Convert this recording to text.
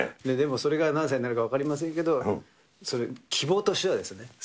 でも、それが何歳になるか分かりませんけれども、それ、希望としてはですね。